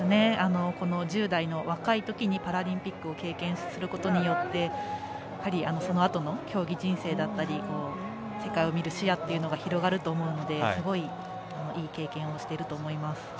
この１０代の若いときにパラリンピックを経験することによってそのあとの競技人生だったり世界を見る視野が広がると思うのですごくいい経験をしていると思います。